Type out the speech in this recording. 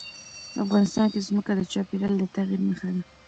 افغانستان کې ځمکه د چاپېریال د تغیر نښه ده.